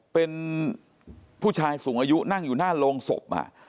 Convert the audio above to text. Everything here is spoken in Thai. เป็นผู้ชายสูงอายุนั่งอยู่หน้าโรงศพ